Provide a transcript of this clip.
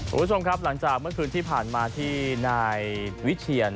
คุณผู้ชมครับหลังจากเมื่อคืนที่ผ่านมาที่นายวิเชียน